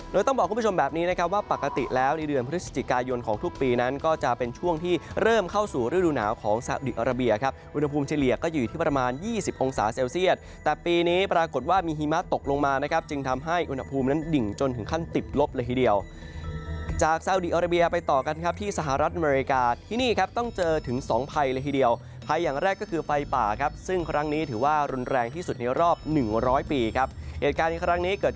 โดยต้องบอกคุณผู้ชมแบบนี้นะครับว่าปกติแล้วในเดือนพฤศจิกายนของทุกปีนั้นก็จะเป็นช่วงที่เริ่มเข้าสู่ฤดูหนาวของเซาดีอาราเบียครับวนภูมิเฉลี่ยก็อยู่ที่ประมาณ๒๐องศาเซลเซียสแต่ปีนี้ปรากฏว่ามีหิมะตกลงมานะครับจึงทำให้วนภูมินั้นดิ่งจนถึงขั้นติบลบเลยทีเดียวจากเซาดีอาราเบี